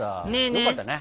よかったね。